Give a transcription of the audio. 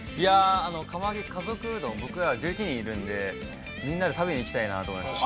◆釜揚げ家族うどん、１１人いるんで、みんなで食べに行きたいと思いました。